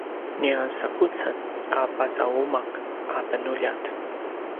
nia sakucen a pasauma’ a penuljat